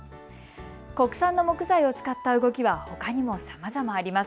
国産の木材を使った動きはほかにもさまざまあります。